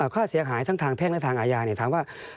ค่าเสียหายทั้งทางแพ่งและทางอาญาถามว่า